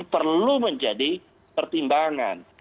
perlu menjadi pertimbangan